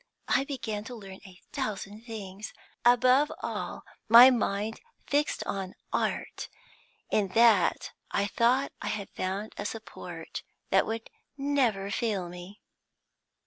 I began to learn a thousand things. Above all, my mind fixed on Art; in that I thought I had found a support that would never fail me.